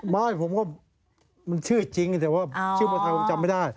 ไว้ผมค่อยโดยมันชื่อจริงคือเมื่อใช้มันจำไม่ได้